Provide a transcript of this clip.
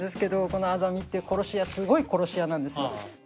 このアザミっていう殺し屋すごい殺し屋なんですよ。